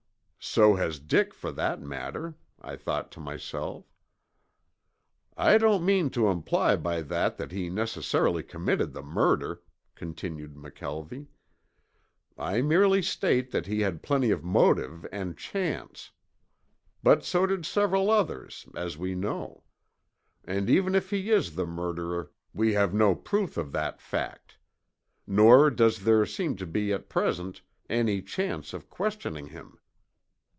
"So has Dick for that matter," I thought to myself. "I don't mean to imply by that that he necessarily committed the murder," continued McKelvie. "I merely state that he had plenty of motive and chance. But so did several others, as we know. And even if he is the murderer we have no proof of that fact; nor does there seem to be at present any chance of questioning him.